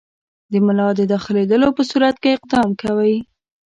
د ملا د داخلېدلو په صورت کې اقدام کوئ.